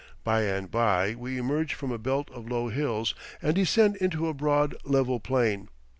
By and by we emerge from a belt of low hills, and descend into a broad, level plain.